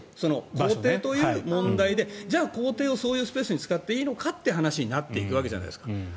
公邸という問題でじゃあ、公邸をそういうスペースに使っていいのかって話になっていくじゃないですか。